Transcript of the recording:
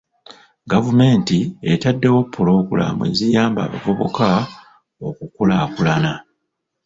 Gavumenti etaddewo pulogulaamu eziyamba abavubuka okukulaakulana.